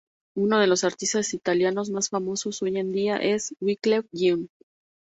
Uno de los artistas haitianos más famosos hoy en día es Wyclef Jean.